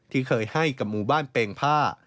ที่เคยให้กับหมู่บ้านเปงผ้า